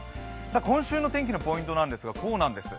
今週の天気のポイントなんですが、こうなんです。